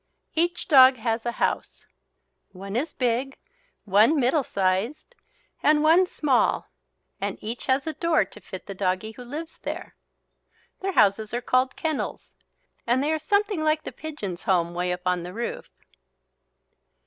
Each dog has a house. One is big, one middle sized, and one small, and each has a door to fit the doggie who lives there. Their houses are called kennels, and they are something like the pigeon's home way up on the roof.